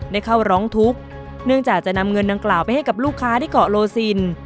ได้เข้าร้องทุกข์เนื่องจากจะนำเงินดังกล่าวไปให้กับลูกค้าที่เกาะโลซิน